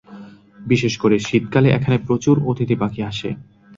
বিশেষ করে শীত কালে এখানে প্রচুর অতিথি পাখি আসে।